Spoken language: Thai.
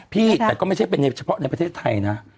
แต่ก็ไม่ใช่เฉพาะในประเทศไทยนะ